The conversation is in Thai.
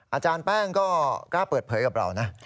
อาจารย์แป้งก็กล้าเปิดเผยกับเรานะ